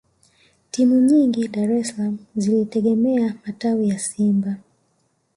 timu nyingi dar es salaam zilitegemea matawi ya simba